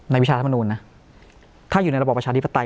วิชาธรรมนูลนะถ้าอยู่ในระบอบประชาธิปไตย